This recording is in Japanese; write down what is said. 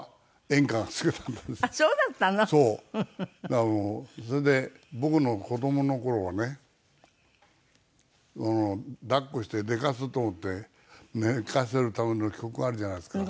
だからもうそれで僕の子どもの頃はね抱っこして寝かすと思って寝かせるための曲あるじゃないですか。